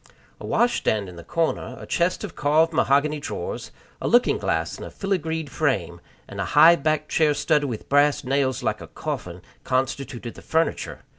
A wash stand in the corner, a chest of carved mahogany drawers, a looking glass in a filigreed frame, and a high backed chair studded with brass nails like a coffin, constituted the furniture.